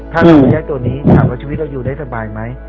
ถ้าเราไม่ได้ตัวนี้ถามว่าชีวิตเราอยู่ได้สบายไหม